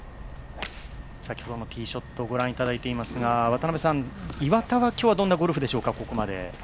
先ほどのティーショットをご覧いただいていますが岩田は今日は、ここまでどんなゴルフでしょうか。